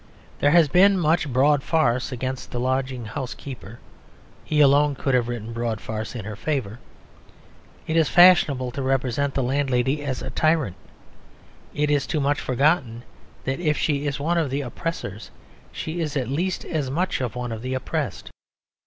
There has been much broad farce against the lodging house keeper: he alone could have written broad farce in her favour. It is fashionable to represent the landlady as a tyrant; it is too much forgotten that if she is one of the oppressors she is at least as much one of the oppressed.